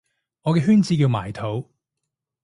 我嘅圈子係叫埋土